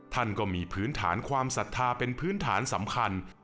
ท่านก็มีพื้นฐานความศรัทธาเป็นพื้นฐานสำคัญ